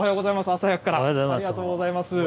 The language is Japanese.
朝早くからありがとうございます。